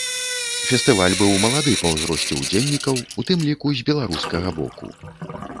Фестываль быў малады па ўзросце ўдзельнікаў, у тым ліку з беларускага боку.